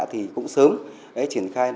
thì cũng sớm triển khai